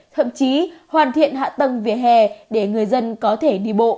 thậm chí hoàn thiện hạ tầng về hè để người dân có thể đi bộ